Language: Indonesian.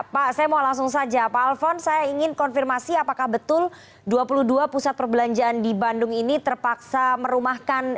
pak saya mau langsung saja pak alfon saya ingin konfirmasi apakah betul dua puluh dua pusat perbelanjaan di bandung ini terpaksa merumahkan